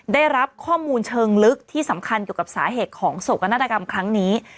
ได้รับข้อมูลเชิงลึกที่สำคัญเกี่ยวกับสาเหตุของโศกนาฏกรรมครั้งนี้